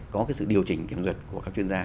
có cái sự điều chỉnh kiểm duyệt của các chuyên gia